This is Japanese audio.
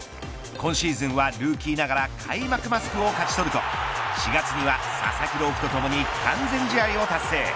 今シーズンはルーキーながら開幕マスクを勝ち取ると４月には佐々木朗希とともに完全試合を達成。